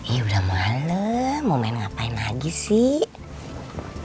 ih udah malem mau main ngapain lagi sih